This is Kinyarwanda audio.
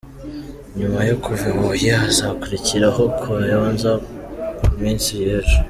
Nyuma yo kuva i Huye, hazakurikiraho Kayonza ku munsi w’ejo.